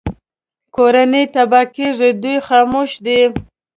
کورنۍ تباه کېږي دوی خاموش دي